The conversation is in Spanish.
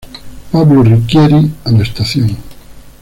Pablo Ricchieri" a la estación.